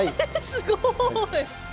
すごい！